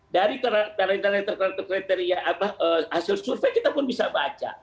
dari kriteria hasil survei kita pun bisa baca